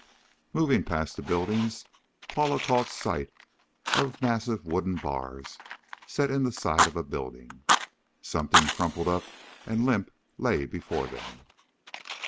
Moving past the buildings, Paula caught sight of massive wooden bars set in the side of a building. Something crumpled up and limp lay before them.